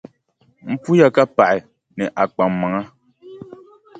M puhiya ka paɣi, ni a kpaŋmaŋa.